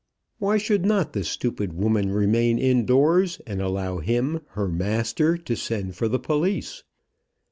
Why should not the stupid woman remain indoors, and allow him, her master, to send for the police?